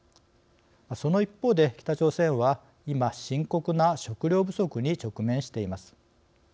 その一方で北朝鮮は今深刻な食糧不足に直面しています。